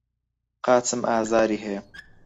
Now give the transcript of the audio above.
قاچم ئازاری هەیە.